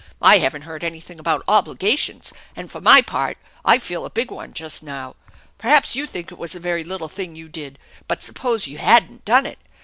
I haven't heard anything about obligations, and for my part I feel a big one just now. Perhaps you think it was a very little thing you did, but suppose you hadn't done it.